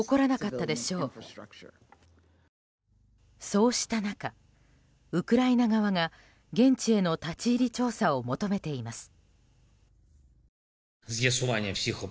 そうした中、ウクライナ側が現地への立ち入り調査を求めています。